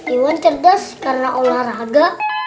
iwan cerdas karena olahraga